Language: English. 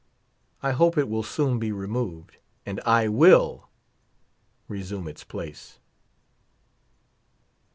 I hope it will soon be removed, and "/ ivilL'' resume its place.